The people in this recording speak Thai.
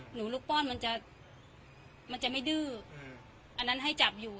หนูลูกป้อนมันจะมันจะไม่ดื้ออันนั้นให้จับอยู่